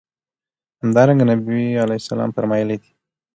همدرانګه نبي عليه السلام فرمايلي دي